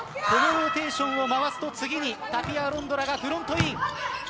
このローテーションを回すと次にタピア・アロンドラがフロントイン。